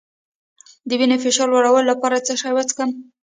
د وینې فشار لوړولو لپاره څه شی وڅښم؟